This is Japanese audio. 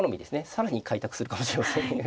更に開拓するかもしれません。